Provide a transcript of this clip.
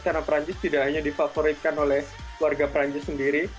karena perancis tidak hanya difavoritkan oleh warga perancis sendiri